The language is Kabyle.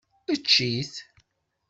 Ečč-it.